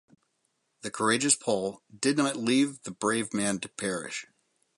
The courageous Pole did not leave the brave man to perish.